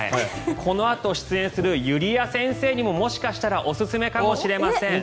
このあと出演するゆりあ先生にもおすすめかもしれません。